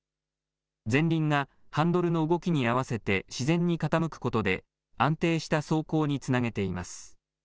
前輪がハンドルの動きに合わせて自然に傾くことで、安定した走行につなげています。